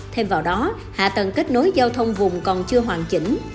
thêm vào đó hạ tầng kết nối giao thông vùng còn chưa hoàn chỉnh